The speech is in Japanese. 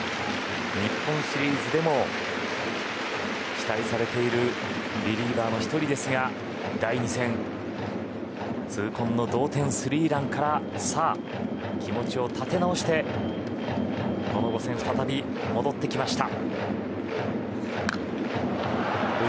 日本シリーズでも期待されているリリーバーの１人ですが第２戦、痛恨の同点スリーランから気持ちを立て直してこの５戦、再び戻ってきました。